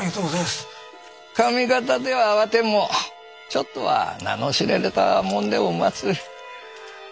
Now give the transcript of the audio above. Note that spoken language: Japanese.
上方ではわてもちょっとは名の知られたもんでおます。